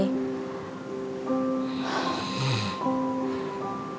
อืม